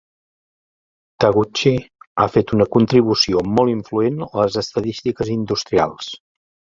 Taguchi ha fet una contribució molt influent a les estadístiques industrials.